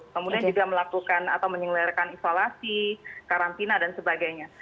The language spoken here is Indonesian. kemudian juga melakukan atau menyelerkan isolasi karantina dan sebagainya